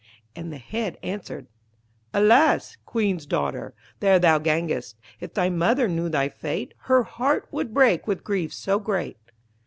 And the Head answered 'Alas! Queen's daughter, there thou gangest. If thy mother knew thy fate, Her heart would break with grief so great.'